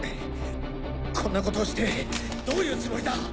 こんなことをしてどういうつもりだ！